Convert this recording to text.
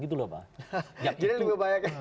gitu loh bang jadi lebih banyak